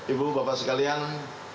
ibu bapak sekalian